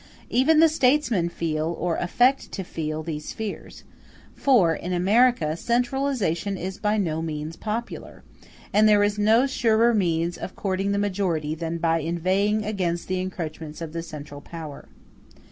Even the statesmen feel, or affect to feel, these fears; for, in America, centralization is by no means popular, and there is no surer means of courting the majority than by inveighing against the encroachments of the central power.